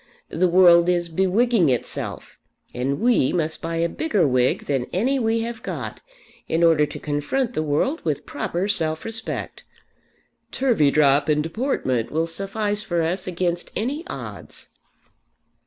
The world is bewigging itself, and we must buy a bigger wig than any we have got, in order to confront the world with proper self respect. Turveydrop and deportment will suffice for us against any odds."